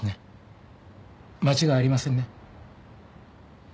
間違いありませんね？